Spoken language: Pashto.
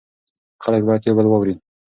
خلک باید یو بل واوري.